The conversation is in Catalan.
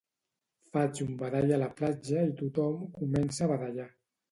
Faig un badall a la platja i tothom comença a badallar